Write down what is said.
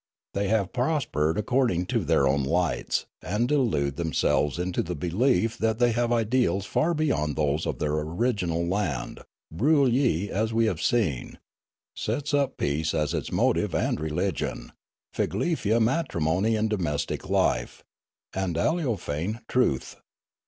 They have prospered according to their own lights, and delude themselves into the belief that they have ideals far be yond those of their original land ; Broolyi, as we have seen, sets up peace as its motive and religion, Figlefia matrimony and domestic life, and Aleofane truth.